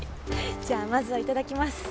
じゃあまずは頂きます！